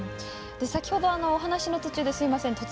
先ほど、お話の途中ですみません。